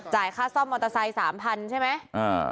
ค่าซ่อมมอเตอร์ไซค์๓๐๐ใช่ไหม